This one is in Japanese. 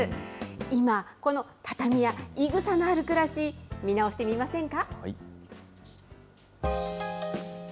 今、この畳やいぐさのある暮らし、見直してみませんか。